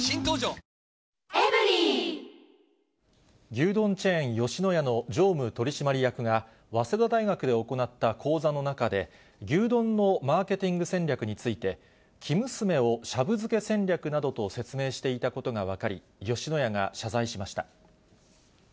牛丼チェーン、吉野家の常務取締役が、早稲田大学で行った講座の中で、牛丼のマーケティング戦略について、生娘をシャブ漬け戦略などと説明していたことが分かり、吉野家が謝罪しました。